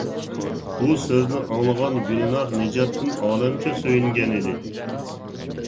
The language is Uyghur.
بۇ سۆزنى ئاڭلىغان گۈلنار نىجاتتىن ئالەمچە سۆيۈنگەن ئىدى.